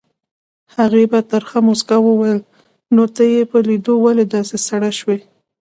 هغې په ترخه موسکا وویل نو ته یې په لیدو ولې داسې سره شوې؟